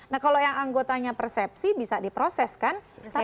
nah kalau yang anggotanya persepsi bisa diproseskan